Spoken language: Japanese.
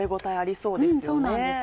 そうなんですよね。